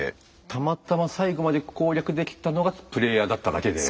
たまたま最後まで攻略できたのがプレイヤーだっただけで。